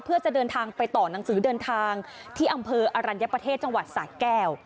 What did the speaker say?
เพื่อจะเดินทางไปต่อหนังสือเดินทางที่อำเภออรัญญประเทศจังหวัดสะแก้ว